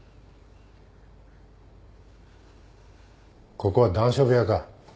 ・ここは談笑部屋か？